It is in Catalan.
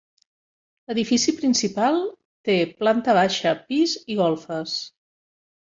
L'edifici principal té planta baixa, pis i golfes.